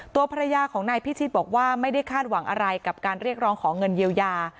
ตัวภรรยาของนายพิชิตบอกว่าไม่ได้คาดหวังอะไรกับการเรียกร้องขอเงินเยียวยา